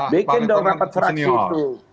pak retuan senior